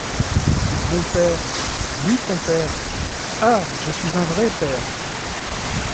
Mon père ! Oui, ton père ! Ah ! je suis un vrai père.